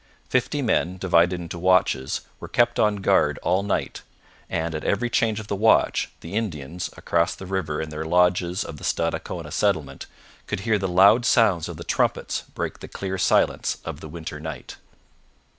Fifty men, divided into watches, were kept on guard all night, and, at every change of the watch, the Indians, across the river in their lodges of the Stadacona settlement, could hear the loud sounds of the trumpets break the clear silence of the winter night.